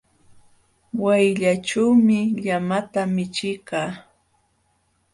Wayllaćhuumi llamata michiykaa.